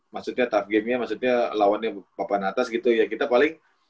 maksudnya tough gamenya maksudnya lawannya papan atas gitu ya kita paling